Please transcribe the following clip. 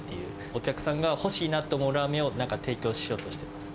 お客さんが欲しいなって思うラーメンを提供しようとしています。